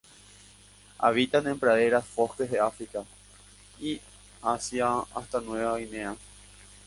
Habitan en praderas y bosques de África y Asia hasta Nueva Guinea.